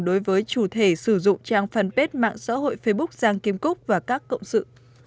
đối với chủ thể sử dụng trang phần pết mạng xã hội facebook giang kim cúc và các cộng sự